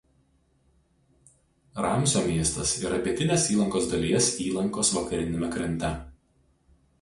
Ramsio miestas yra pietinės įlankos dalies įlankos vakariniame krante.